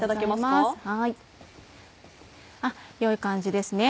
よい感じですね